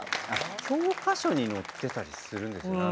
教科書に載ってたりするんですよね。